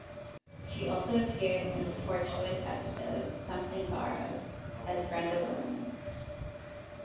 She also appeared in the "Torchwood" episode "Something Borrowed" as Brenda Williams.